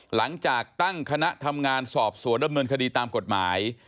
หลังจากตั้งคณะทำงานสอบสวนดำเนินคดีตามกฎหมาย